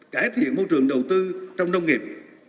cải thiện môi trường đầu tư trong nông nghiệp